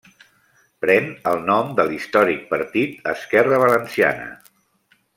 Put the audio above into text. Pren el nom de l'històric partit Esquerra Valenciana.